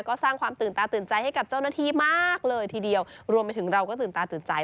ก็สร้างความตื่นตาตื่นใจให้กับเจ้าหน้าที่มากเลยทีเดียวรวมไปถึงเราก็ตื่นตาตื่นใจ